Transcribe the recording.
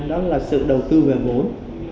đó là sự đầu tư về vốn